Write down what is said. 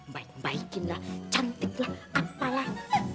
baik baikinlah cantiklah apalah